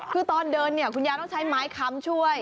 คือตอนเดินเนี่ยคุณยายต้องใช้ไม้ค้ำช่วย